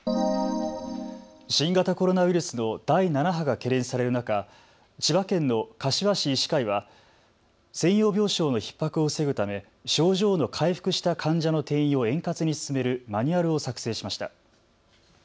新型コロナウイルスの第７波が懸念される中、千葉県の柏市医師会は専用病床のひっ迫を防ぐため症状の回復した患者の転院を円滑に進めるマニュアルを作成しました。